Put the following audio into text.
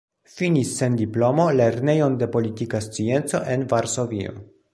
Finis sen diplomo Lernejon de Politika Scienco en Varsovio.